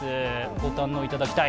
ご堪能いただきたい。